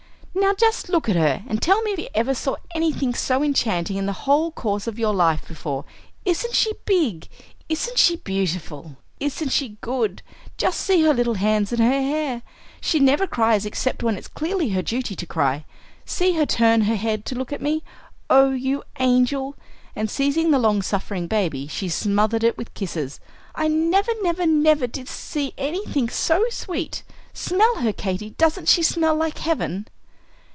"Now, just look at her, and tell me if ever you saw anything so enchanting in the whole course of your life before? Isn't she big? Isn't she beautiful? Isn't she good? Just see her little hands and her hair! She never cries except when it is clearly her duty to cry. See her turn her head to look at me! Oh, you angel!" And seizing the long suffering baby, she smothered it with kisses. "I never, never, never did see anything so sweet. Smell her, Katy! Doesn't she smell like heaven?"